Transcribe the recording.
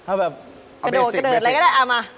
ถ้าแบบกาโดดก็ได้เอามา